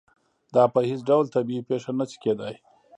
دا په هېڅ ډول طبیعي پېښه نه شي کېدای.